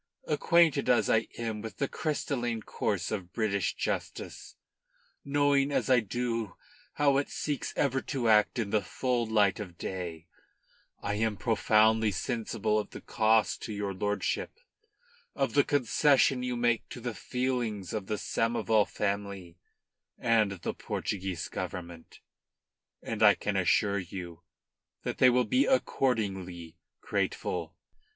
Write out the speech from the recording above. Acquainted as I am with the crystalline course of British justice, knowing as I do how it seeks ever to act in the full light of day, I am profoundly sensible of the cost to your lordship of the concession you make to the feelings of the Samoval family and the Portuguese Government, and I can assure you that they will be accordingly grateful."